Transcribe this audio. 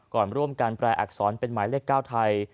ก่อนร่วมการแปลอักษรเป็นหมายเลข๙ไทย